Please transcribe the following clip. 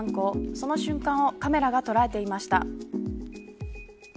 その瞬間をカメラが捉えていました。